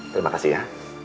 terima kasih ya